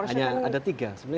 ini antik sekali